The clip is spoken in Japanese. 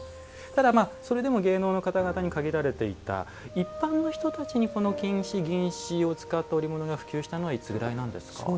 それでも芸能の方々に限られていた一般の人たちに金糸、銀糸を使った織物が普及したのはいつぐらいなんですか？